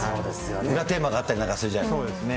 裏テーマがあったりなんかするじゃない。